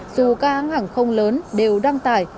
dù các hãng hàng không lớn đều đang tải